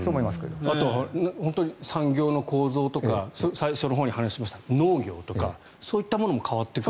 あと、産業の構造とか最初のほうに話しました農業とかそういったものも変わってくる。